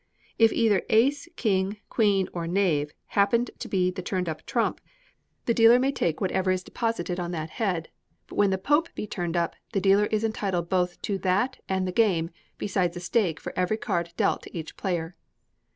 If either ace, king, queen, or knave happen to be the turned up trump, the dealer may take whatever is deposited on that head; but when Pope be turned up, the dealer is entitled both to that and the game, besides a stake for every card dealt to each player.